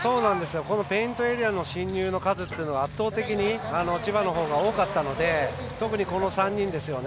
ペイントエリアの進入の数が圧倒的に千葉が多かったので特にこの３人ですよね。